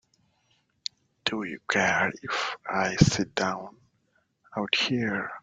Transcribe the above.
Do you care if I sit down out here?